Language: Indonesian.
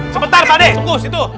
sebentar pade tunggu situ